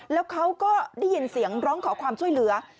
แล้วเขาก็ได้ยินเสียงร้องขอความช่วยเหลือ